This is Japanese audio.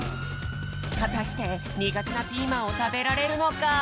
はたしてにがてなピーマンをたべられるのか！？